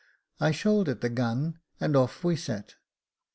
I shouldered the gun, and ofi we set.